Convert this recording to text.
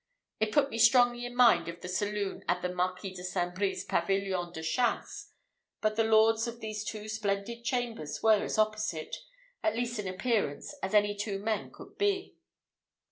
It put me strongly in mind of the saloon in the Marquis de St. Brie's pavilion de chasse; but the lords of these two splendid chambers were as opposite, at least in appearance, as any two men could be.